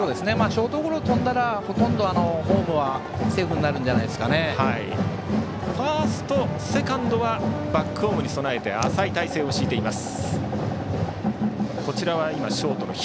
ショートゴロに飛んだらほとんどホームはセーフだとファースト、セカンドはバックホームに備えて浅い態勢を敷いています。